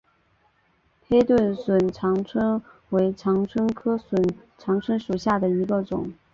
黑盾梭长蝽为长蝽科梭长蝽属下的一个种。